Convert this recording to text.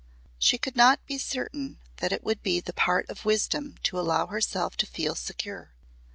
She could not be certain that it would be the part of wisdom to allow herself to feel secure.